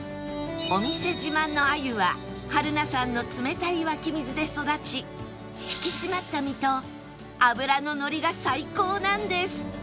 お店自慢の鮎は榛名山の冷たい湧き水で育ち引き締まった身と脂ののりが最高なんです